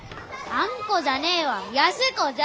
あんこじゃねえわ安子じゃ。